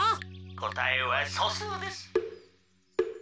「こたえはそすうです」。